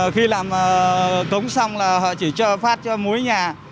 khi làm cống xong là họ chỉ cho phát cho muối nhà